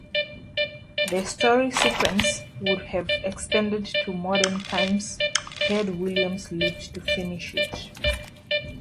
The story-sequence would have extended to modern times had Williams lived to finish it.